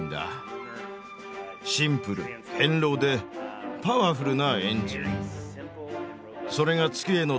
シンプル堅牢でパワフルなエンジン。